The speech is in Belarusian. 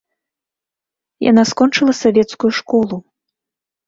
Яна скончыла савецкую школу.